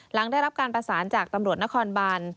หลังได้รับการประสานจากตำรวจนครบาน